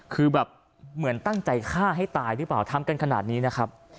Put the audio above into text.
คือแบบเหมือนตั้งใจฆ่าให้ตายหรือเปล่าทำกันขนาดนี้นะครับ